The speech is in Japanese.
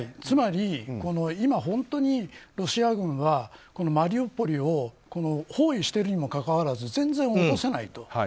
つまり、今、本当にロシア軍はマリウポリを包囲しているにもかかわらず全然落とせないと。